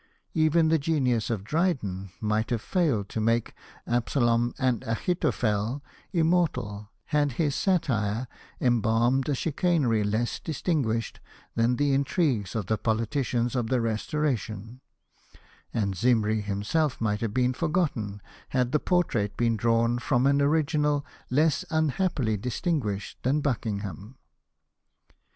Even the genius of Dryden might have failed to make Absalom and Achiiophel immortal had his satire embalmed a chicanery less distinguished than the intrigues of the politicians of the Restora tion ; and Zimri himself might have been forgotten had the portrait been drawn from an original less unhappily distinguished than Buckingham.